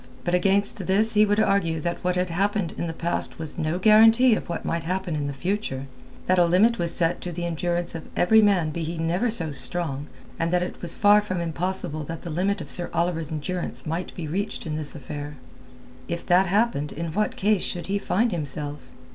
But against this he would argue that what had happened in the past was no guarantee of what might happen in the future; that a limit was set to the endurance of every man be he never so strong, and that it was far from impossible that the limit of Sir Oliver's endurance might be reached in this affair. If that happened in what case should he find himself?